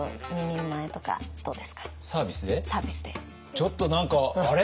ちょっと何かあれ？